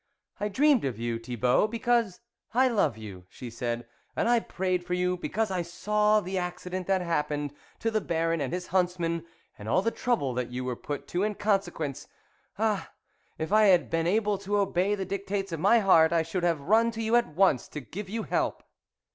" I dreamed of you, Thibault, because I love you," she said, " and I prayed for you, because I saw the accident that hap pened to the Baron and his huntsmen, and all the trouble that you were put to in consequence ... Ah ! if I had been able to obey the dictates of my heart, I should have run to you at once to give you help."